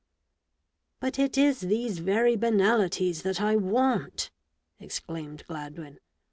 " But it is these very banalities that I want! " exclaimed Gladwin.